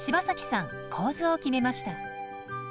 構図を決めました。